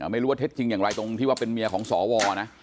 ไม่รู้ว่าเท็จจริงอย่างไรตรงที่ว่าเป็นเมียของสวนะ